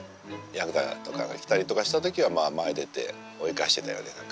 ヤクザとかが来たりとかした時は前へ出て追い返してたよね何か。